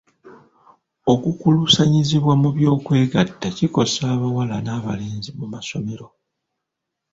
Okukuluusanyizibwa mu by'okwegatta kikosa abawala n'abalenzi mu masomero.